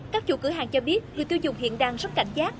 các chủ cửa hàng cho biết người tiêu dùng hiện đang rất cảnh giác